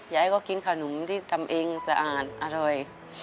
อยากให้เขากินขนมที่ทำเองสะอาดอร่อย